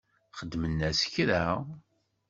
Xedmen-as kra?